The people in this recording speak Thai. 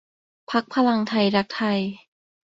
พรรคพลังไทยรักไทย